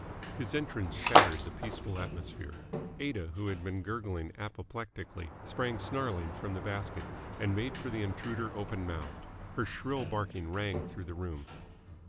His entrance shattered the peaceful atmosphere. Aida, who had been gurgling apoplectically, sprang snarling from the basket, and made for the intruder open mouthed. Her shrill barking rang through the room.